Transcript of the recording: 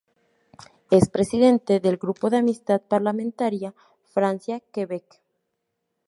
Es presidente del Grupo de amistad parlamentaria Francia-Quebec.